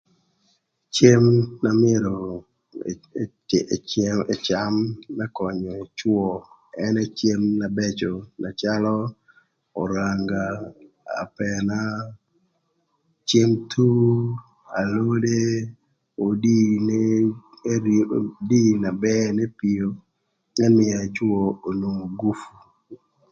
Cem na myero ëcam më könyö cwö ënë cem na bëcö na calö öranga, apëna, cem thur, alode odii nyim, gin na bër n'epio më mïö cwö onwong gupu.